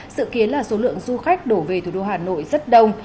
sự kiến là số lượng du khách đổ về thủ đô hà nội rất đông